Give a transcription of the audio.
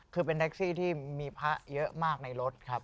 คือเป็นแท็กซี่ที่มีพระเยอะมากในรถครับ